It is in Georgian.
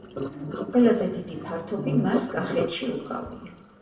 ყველაზე დიდი ფართობი მას კახეთში უკავია.